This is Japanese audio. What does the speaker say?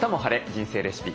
人生レシピ」。